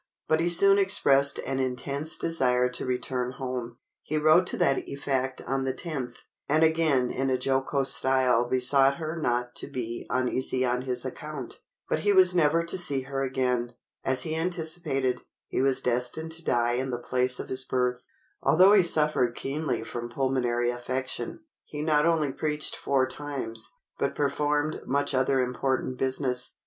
But he soon expressed an intense desire to return home. He wrote to that effect on the 10th, and again in a jocose style besought her not to be uneasy on his account. But he was never to see her again. As he anticipated, he was destined to die in the place of his birth. Although he suffered keenly from pulmonary affection, he not only preached four times, but performed much other important business.